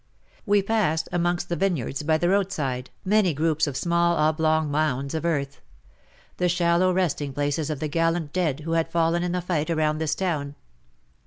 We passed, amongst the vineyards by the roadside, many groups of small oblong mounds WAR AND WOMEN IS9 of earth — the shallow resting places of the gallant dead who had fallen in the fight around this town.